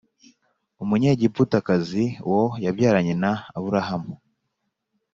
Umunyegiputakazi uwo yabyaranye na Aburahamu